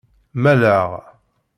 Malleɣ.